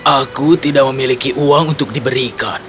aku tidak memiliki uang untuk diberikan